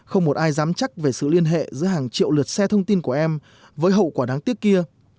không một ai dám chắc về sự liên hệ giữa hàng triệu lượt xe thông tin của em với hậu quả đáng tiếc kia